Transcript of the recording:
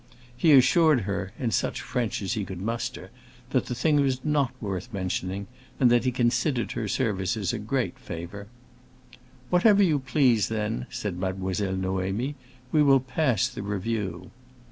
He assured her, in such French as he could muster, that the thing was not worth mentioning, and that he considered her services a great favor. "Whenever you please, then," said Mademoiselle Noémie, "we will pass the review."